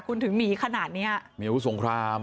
คุณถึงมีขนาดเนี้ยมีผู้สงครามอ๋อ